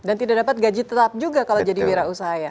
dan tidak dapat gaji tetap juga kalau jadi wira usaha ya